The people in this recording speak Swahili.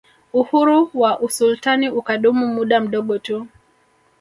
Uhuru wa usultani ukadumu muda mdogo tu